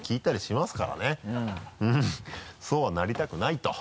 そうはなりたくないと。